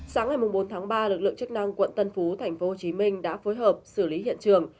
sáng ngày bốn tháng ba lực lượng chức năng quận tân phú tp hcm đã phối hợp xử lý hiện trường